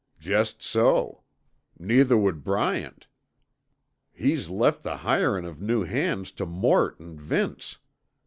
"Jest so. Neither would Bryant. He's left the hirin' of new hands tuh Mort an' Vince.